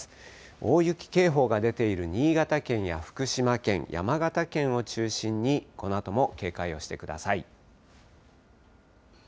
大雪警報が出ている新潟県や福島県、山形県を中心に、このあとも警戒をしてください。